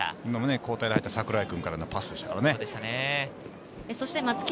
交代で入った櫻井君からのパスでしたよね。